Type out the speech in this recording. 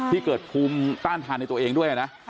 ที่เกิดภูมิต้านทานในตัวเองด้วยนะ